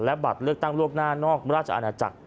และบัตรเลือกตั้งล่วงหน้านอกราชอาณาจักร